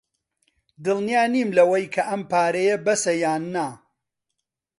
دڵنیا نیم لەوەی کە ئەم پارەیە بەسە یان نا.